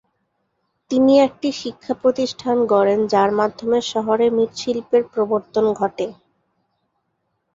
তিনি একটি প্রতিষ্ঠান গড়েন যার মাধ্যমে শহরে মৃৎশিল্পের প্রবর্তন ঘটে।